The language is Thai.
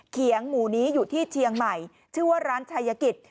เขียงหมู่นี้อยู่ที่เชียงใหม่ชื่อว่าร้านชายกิจ